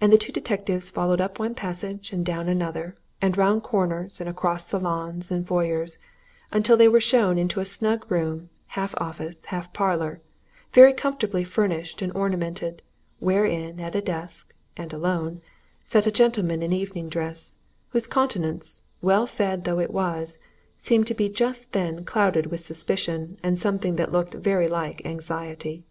And the two detectives followed up one passage and down another, and round corners and across saloons and foyers, until they were shown into a snug room, half office, half parlour, very comfortably furnished and ornamented, wherein, at a desk, and alone, sat a gentleman in evening dress, whose countenance, well fed though it was, seemed to be just then clouded with suspicion and something that looked very like anxiety.